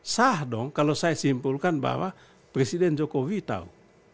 sah dong kalau saya simpulkan bahwa presiden jokowi tahu